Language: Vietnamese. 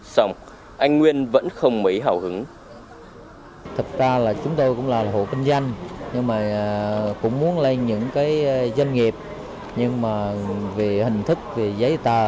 xong anh nguyên vẫn không mấy hào hứng